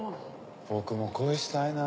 僕も恋したいな。